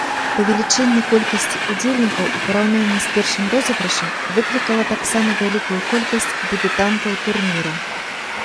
Павелічэнне колькасці ўдзельнікаў у параўнанні з першым розыгрышам выклікала таксама вялікую колькасць дэбютантаў турніру.